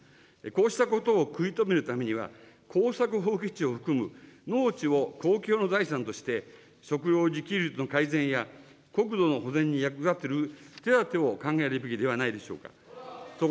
こうしたことを食い止めるためには、耕作放棄地を含む農地を公共の財産として食料自給率の改善や、国土の保全に役立てる手だてを考えるべきではないでしょうか。